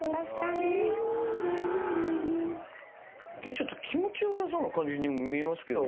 ちょっと気持ちよさそうな感じに見えますけどね。